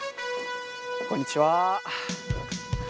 こんにちは。